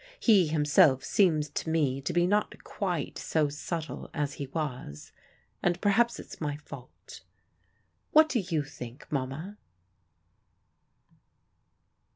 He himself seems to me to be not quite so subtle as he was, and perhaps it's my fault. What do you think, Mama?"